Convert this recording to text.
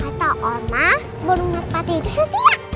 kata omah burung berpati itu setiap